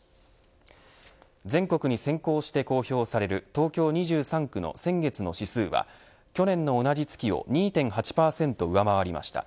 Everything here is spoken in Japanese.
全国に先行して公表される東京２３区の先月の指数は去年の同じ月を２．８％上回りました。